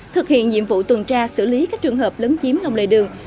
thực hiện nhiệm vụ tuần tra xử lý các trường hợp lấm chiếm lông lề đường